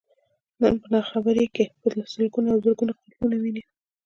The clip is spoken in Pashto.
نن په ناخبرۍ کې په سلګونو او زرګونو قتلونه ويني.